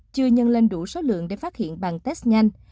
chưa nhân lên đủ số lượng để phát hiện bằng test nhanh